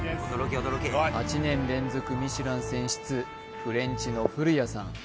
８年連続ミシュラン選出フレンチの古屋さん